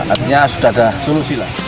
artinya sudah ada solusi lah